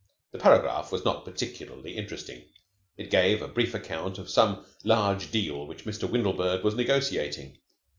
The paragraph was not particularly interesting. It gave a brief account of some large deal which Mr. Windlebird was negotiating.